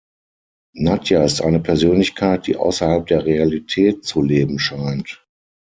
Nadja ist eine Persönlichkeit, die außerhalb der Realität zu leben scheint.